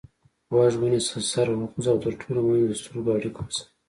غوږ ونیسه سر وخوځوه او تر ټولو مهمه د سترګو اړیکه وساته.